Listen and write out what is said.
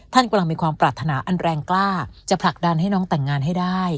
ท่านกำลังมีความปรารถนาอันแรงกล้าจะผลักดันให้น้องแต่งงานให้ได้